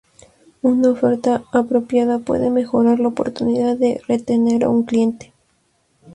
Una oferta apropiada puede mejorar la oportunidad de retener a un cliente.